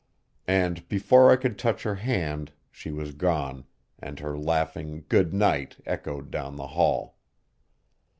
And before I could touch her hand she was gone, and her laughing "good night" echoed down the hall.